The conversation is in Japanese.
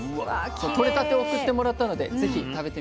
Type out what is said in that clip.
取れたてを送ってもらったのでぜひ食べてみて下さい。